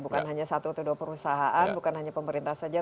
bukan hanya satu atau dua perusahaan bukan hanya pemerintah saja